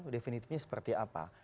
definitifnya seperti apa